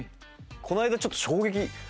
この間ちょっと衝撃！